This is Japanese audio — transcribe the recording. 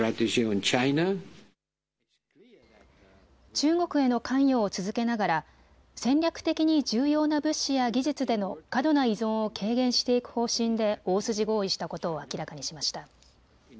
中国への関与を続けながら戦略的に重要な物資や技術での過度な依存を軽減していく方針で大筋合意したことを明らかにしました。